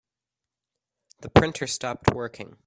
The printer stopped working.